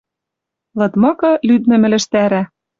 Лыдмыкы, лӱдмӹм ӹлӹжтӓрӓ.